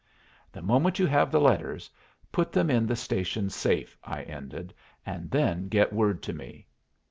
"The moment you have the letters, put them in the station safe," I ended, "and then get word to me."